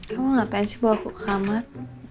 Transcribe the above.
kamu ngapain sih bawa ke kamar